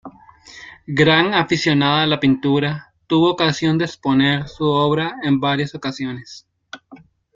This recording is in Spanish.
Gran aficionada a la pintura tuvo ocasión de exponer su obra en varias ocasiones.